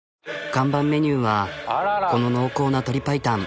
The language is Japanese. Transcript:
看板メニューはこの濃厚な鶏パイタン。